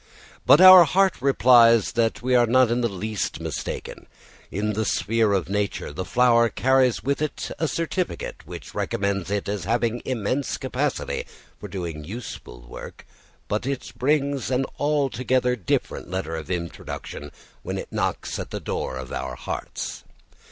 But our heart replies that we are not in the least mistaken. In the sphere of nature the flower carries with it a certificate which recommends it as having immense capacity for doing useful work, but it brings an altogether different letter of introduction when it knocks at the door of our hearts.